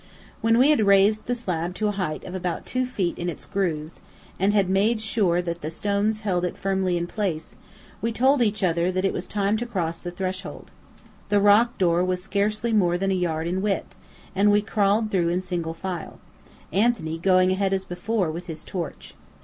When we had raised the slab to a height of about two feet in its grooves, and had made sure that the stones held it firmly in place, we told each other that it was time to cross the threshold. The rock door was scarcely more than a yard in width, and we crawled through in single file, Anthony going ahead as before, with his torch.